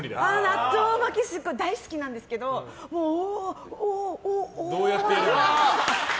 納豆巻きすごい大好きなんですけどおおって。